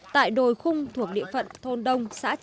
tại đồi khu vực tây trà